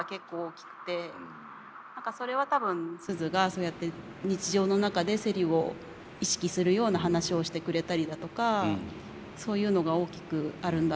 それは多分スズがそうやって日常の中でセリを意識するような話をしてくれたりだとかそういうのが大きくあるんだろうなって。